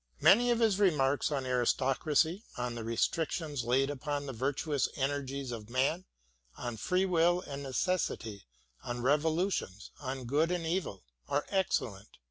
Many of his remarks on aristocracy, on the restrictions laid upon the virtuous energies of man, on free will and necessity, on revolutions, on good and evil, are excellent.